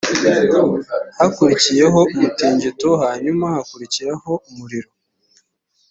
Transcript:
hakurikiyeho umutingito hanyuma hakurikiraho umuriro